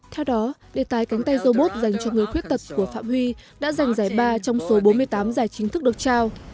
theo đó đề tài cánh tay robot dành cho người khuyết tật của phạm huy đã giành giải ba trong số bốn mươi tám giải chính thức được trao